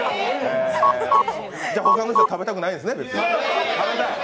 じゃあ他の人は食べたくないんですね？